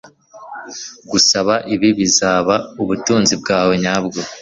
gusa ibi bizaba ubutunzi bwawe nyabwo